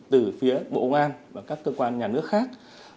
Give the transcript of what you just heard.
từ phía bộ ngoan và các cơ quan nhà nước khác